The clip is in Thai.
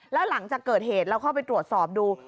แล้วหลังจากเกิดเหตุเราเข้าไปตรวจสอบดู